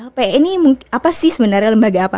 lpe ini apa sih sebenarnya lembaga apa